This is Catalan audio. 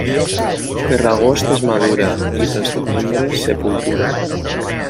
Per l'agost és madura, i pel setembre, sepultura.